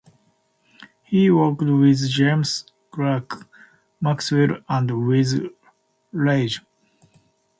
He worked with James Clerk Maxwell and with Rayleigh.